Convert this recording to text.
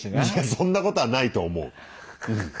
そんなことはないと思ううん。